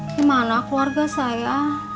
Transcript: gimana keluarga saya